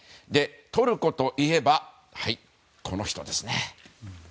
トルコといえばこの人ですね。